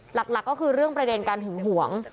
หลักก็คือเรื่องประเด็นการหึงหวง